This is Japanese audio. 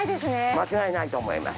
間違いないと思います。